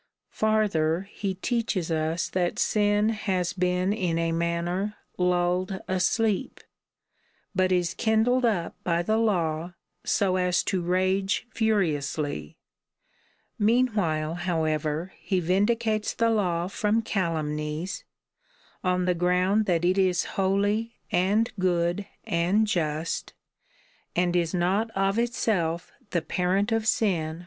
Farther, he teaches us that sin has been in a manner lulled asleep, but is kindled up by the law, so as to rage furiously. Meanwhile, however, he vindi cates the law from calumnies, on the ground that it is holy, and good, and just, and is not of itself the parent of sin or ^ "Bonne et saincte;" —" Good and holy."